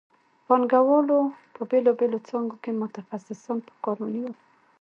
پانګوالو په بېلابېلو څانګو کې متخصصان په کار ونیول